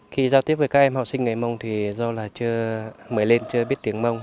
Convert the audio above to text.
khi giao tiếp với các em học sinh ngày mông thì do là mới lên chưa biết tiếng mông